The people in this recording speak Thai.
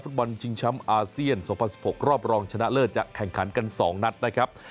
บอลชิงแชมป์อาเซียน๒๐๑๖รอบรองชนะเลิศจะแข่งขันกัน๒นัดนะครับ